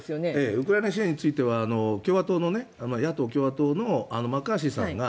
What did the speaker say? ウクライナ支援については野党・共和党のマッカーシーさんが